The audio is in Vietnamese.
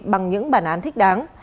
bằng những bản án thích đáng